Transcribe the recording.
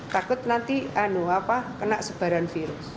takut nanti ano apa kena sebaran virus